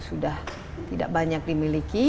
sudah tidak banyak dimiliki